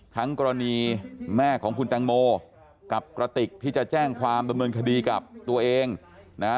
ทั้งกรณีแม่ของคุณแตงโมกับกระติกที่จะแจ้งความดำเนินคดีกับตัวเองนะ